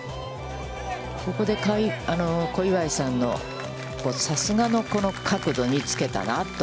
ここで小祝さんのさすがの、この角度につけたなと。